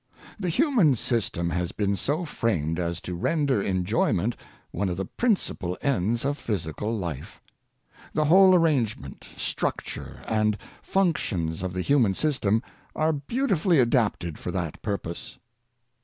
The human system has been so framed as to render enjoyment one of the principal ends of physical life. The whole arrangement, structure, and functions of the human system are beautifully adapted for that purpose.